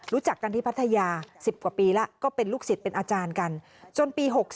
รู้จักกันที่พัทยา๑๐กว่าปีแล้วก็เป็นลูกศิษย์เป็นอาจารย์กันจนปี๖๓